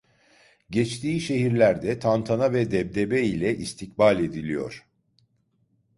Geçtiği şehirlerde tantana ve debdebe ile istikbal ediliyor.